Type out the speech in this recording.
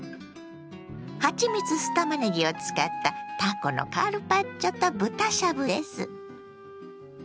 「はちみつ酢たまねぎ」を使ったたこのカルパッチョと豚しゃぶです。